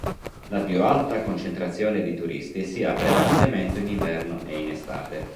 La più alta concentrazione di turisti si ha prevalentemente in inverno e in estate.